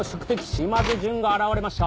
島津順が現れました。